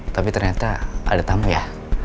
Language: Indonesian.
tapi ternyata ada tamu ya